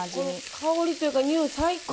香りというか匂い最高。